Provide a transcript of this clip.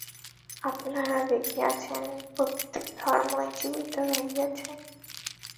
আপনারা দেখিয়াছেন, প্রত্যেক ধর্মই জীবিত রহিয়াছে।